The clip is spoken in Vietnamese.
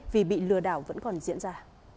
vì bị lừa đảo vẫn còn diễn ra